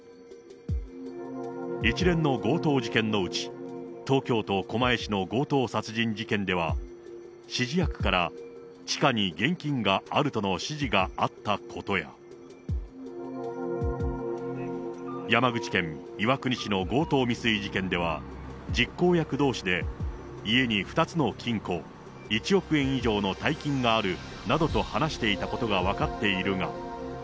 一連の強盗事件のうち、東京都狛江市の強盗殺人事件では、指示役から地下に現金があるとの指示があったことや、山口県岩国市の強盗未遂事件では、実行役どうしで、家に２つの金庫、１億円以上の大金があるなどと話していたことが分かっているが。